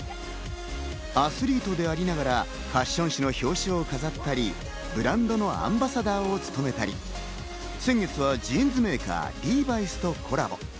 アスリートでありながら、ファッション誌の表紙を飾ったり、ブランドのアンバサダーを務めたり、先月はジーンズメーカーＬＥＶＩ＆Ｓとコラボ。